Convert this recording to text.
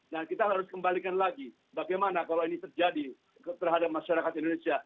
dan kita harus kembalikan lagi bagaimana kalau ini terjadi terhadap masyarakat indonesia